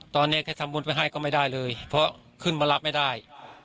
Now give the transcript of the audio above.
ตอนนี้แค่ทำบุญไปให้ก็ไม่ได้เลยเพราะขึ้นมารับไม่ได้